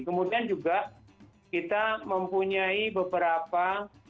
kemudian juga kita mempunyai beberapa